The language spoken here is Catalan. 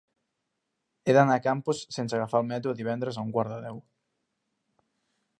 He d'anar a Campos sense agafar el metro divendres a un quart de deu.